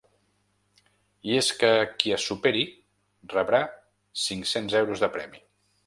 I és que qui es superi rebrà cinc-cents euros de premi.